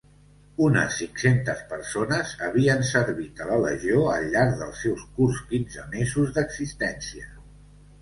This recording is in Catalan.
Unes cinc-centes persones havien servit a la legió al llarg dels seus curts quinze mesos d'existència.